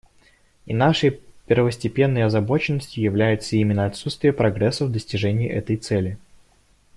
И нашей первостепенной озабоченностью является именно отсутствие прогресса в достижении этой цели.